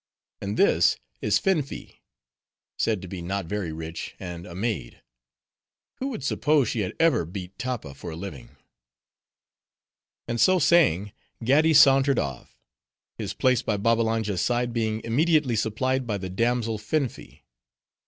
And this is Finfi; said to be not very rich, and a maid. Who would suppose she had ever beat tappa for a living?" And so saying, Gaddi sauntered off; his place by Babbalanja's side being immediately supplied by the damsel Finfi.